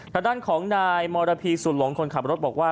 ทางด้านของนายมรพีสุดหลงคนขับรถบอกว่า